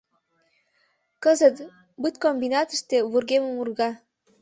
— Кызыт быткомбинатыште вургемым урга.